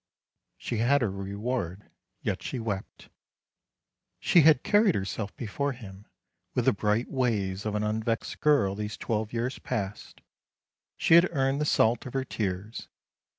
She had her reward, yet she wept. She had carried herself before him with the bright ways of an unvexed girl these twelve years past ; she had earned the salt of her tears.